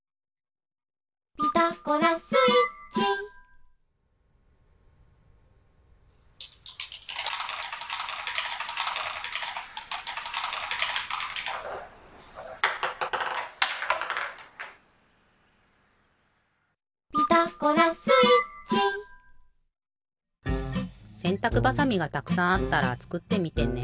「ピタゴラスイッチ」「ピタゴラスイッチ」せんたくばさみがたくさんあったらつくってみてね。